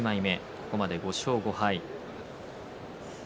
ここまで５勝５敗。